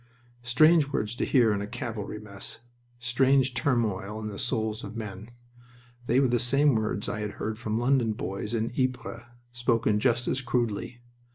Strange words to hear in a cavalry mess! Strange turmoil in the souls of men! They were the same words I had heard from London boys in Ypres, spoken just as crudely.